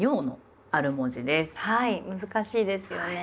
難しいですよね。